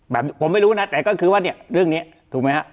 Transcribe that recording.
ผมไม่รู้นะแต่ก็คือว่าเนี่ยเรื่องนี้ถูกไหมฮะ